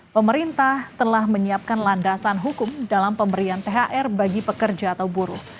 pemerintah telah menyiapkan landasan hukum dalam pemberian thr bagi pekerja atau buruh